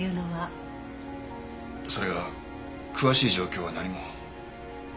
それが詳しい状況は何も。